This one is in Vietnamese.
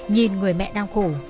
nhìn người mẹ đau khổ